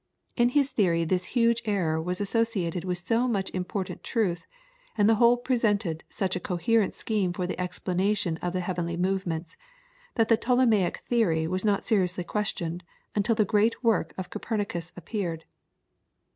In his theory this huge error was associated with so much important truth, and the whole presented such a coherent scheme for the explanation of the heavenly movements, that the Ptolemaic theory was not seriously questioned until the great work of Copernicus appeared.